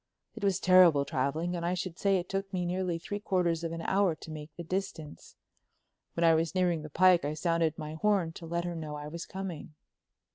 It was terrible traveling, and I should say it took me nearly three quarters of an hour to make the distance. When I was nearing the pike I sounded my horn to let her know I was coming.